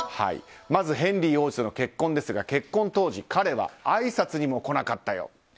ヘンリー王子との結婚ですが結婚当時、彼はあいさつにも来なかったよ。